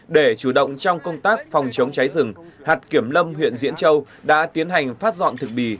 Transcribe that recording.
để chủ động trong công tác phòng chống cháy rừng hạt kiểm lâm huyện diễn châu đã tiến hành phát dọn thực bì